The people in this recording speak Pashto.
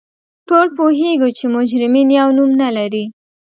ټول پوهیږو چې مجرمین یو نوم نه لري